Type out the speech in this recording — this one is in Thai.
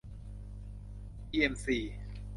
อีเอ็มซี